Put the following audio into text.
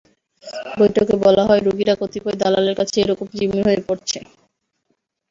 বৈঠকে বলা হয়, রোগীরা কতিপয় দালালের কাছে একরকম জিম্মি হয়ে পড়েছে।